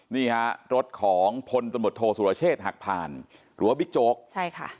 นี่ฮะรถของพลตำรวจโทษสุรเชษฐ์หักผ่านหรือว่าบิ๊กโจ๊กใช่ค่ะ